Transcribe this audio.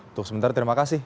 untuk sebentar terima kasih